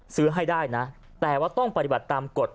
ซื้อให้ได้นะแต่ว่าต้องปฏิบัติตามกฎ